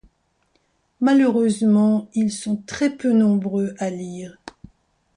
Malheureusement ils sont très peu nombreux à lire.